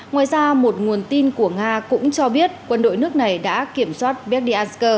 ngoài ra một nguồn tin của nga cũng cho biết quân đội nước này đã kiểm soát beriansk